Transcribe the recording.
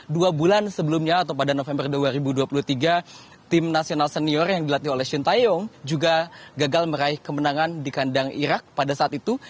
dua bulan sebelumnya atau pada november dua ribu dua puluh tiga tim nasional senior yang dilatih oleh shin taeyong juga gagal meraih kemenangan di kandang irak pada saat itu